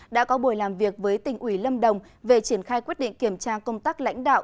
đã có buổi làm việc với tỉnh ủy lâm đồng về triển khai quyết định kiểm tra công tác lãnh đạo